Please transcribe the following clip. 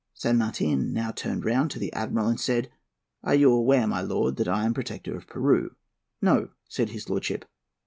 San Martin now turned round to the Admiral and said, 'Are you aware, my lord, that I am Protector of Peru?' 'No,' said his lordship.